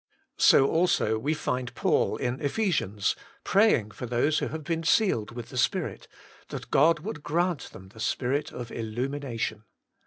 So also we find Paul in Ephesians, praying for those who have been sealed with the Spirit, that God would grant them the spirit of .illumination.